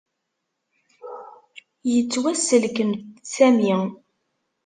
Yettwasselkem Sami.